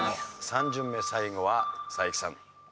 ３巡目最後は才木さん。